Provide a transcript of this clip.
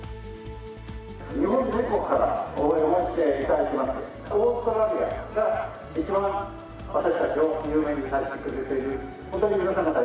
日本全国から応援をしていただきます。